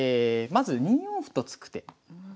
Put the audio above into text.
まず２四歩と突く手。